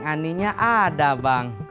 neng aninya ada bang